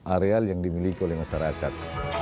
areal yang dimiliki oleh masyarakat